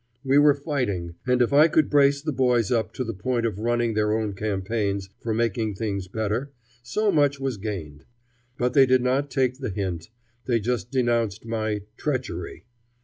We were fighting; and if I could brace the boys up to the point of running their own campaigns for making things better, so much was gained. But they did not take the hint. They just denounced my "treachery."